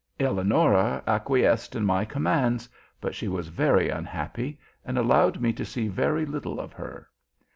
Eleonora acquiesced in my commands, but she was very unhappy and allowed me to see very little of her.